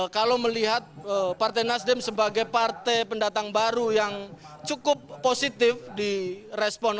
kalau melihat partai nasdem sebagai partai pendatang baru yang cukup positif di respon